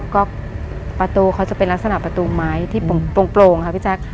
ก็ประตูเขาจะเป็นลักษณะประตูไม้ที่โปร่งค่ะพี่แจ๊ค